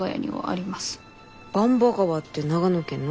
番場川って長野県の？